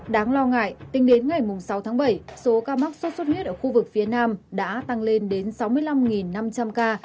đáng lo ngại tính đến ngày sáu tháng bảy số ca mắc sốt xuất huyết ở khu vực phía nam đã tăng lên đến sáu mươi năm năm trăm linh ca